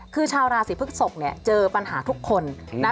คือชาวราศีพฤกษกเนี่ยเจอปัญหาทุกคนนะ